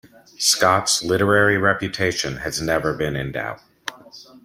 Scott's literary reputation has never been in doubt.